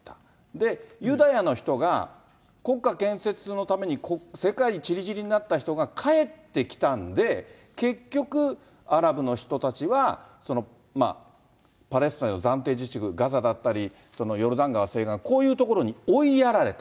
で、ユダヤの人が国家建設のために世界に散り散りになった人が帰ってきたんで、結局アラブの人たちはパレスチナの暫定自治区、ガザだったり、ヨルダン川西岸、こういう所に追いやられた。